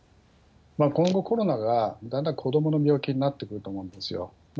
今後、コロナがだんだん子どもの病気になってくると思うんですよ。